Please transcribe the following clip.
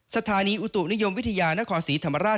สถานีอุตุนิยมวิทยานครศรีธรรมราช